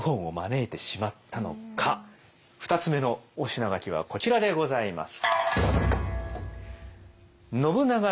２つ目のお品書きはこちらでございます。